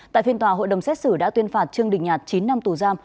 tại phiên tòa hội đồng xét xử đã tuyên phạt trương đình nhạt chín năm tù giam